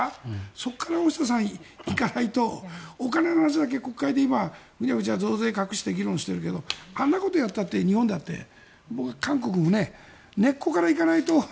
そこから大下さん、いかないとお金の話だけ国会で増税で議論してるけどあんなことやったって日本だって、僕は韓国も根っこからいかないと。